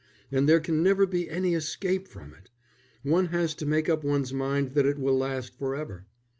And there can never be any escape from it; one has to make up one's mind that it will last for ever.